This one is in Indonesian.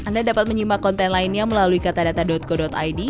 anda dapat menyimak konten lainnya melalui katadata co id